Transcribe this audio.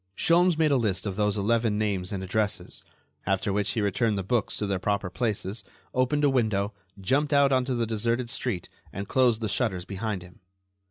Sholmes made a list of those eleven names and addresses; after which he returned the books to their proper places, opened a window, jumped out onto the deserted street and closed the shutters behind him.